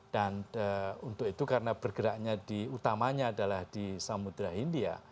dan untuk itu karena bergeraknya di utamanya adalah di samudera india